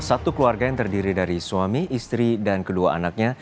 satu keluarga yang terdiri dari suami istri dan kedua anaknya